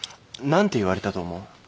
何て言われたと思う？